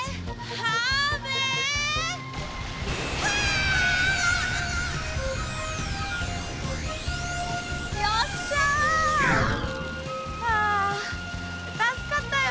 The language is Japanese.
はあ助かったよ。